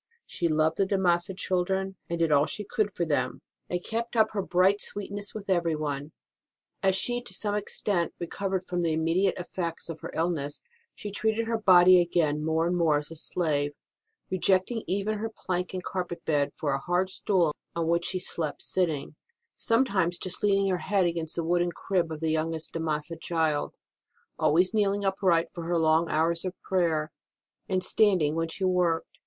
She loved the De Massa children and did all she could for them, and kept up her bright sweetness with everyone. As she to some extent recovered from the im mediate effects of her illness she treated her body again more and more as a slave, rejecting even her plank and carpet bed for a hard stool on which she slept sitting : sometimes just leaning her head against the wooden crib of the youngest De Massa child, always kneeling upright for her long hours of prayer, and standing when she worked.